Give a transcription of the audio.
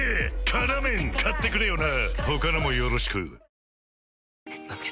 「辛麺」買ってくれよな！